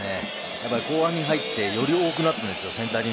後半に入って、より多くなっているんですよ。